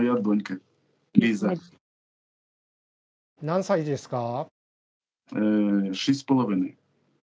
・何歳ですか？